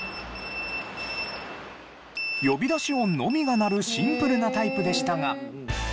呼び出し音のみが鳴るシンプルなタイプでしたが。